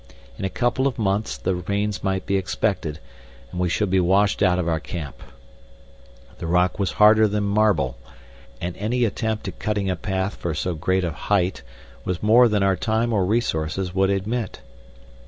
In a couple of months the rains might be expected, and we should be washed out of our camp. The rock was harder than marble, and any attempt at cutting a path for so great a height was more than our time or resources would admit.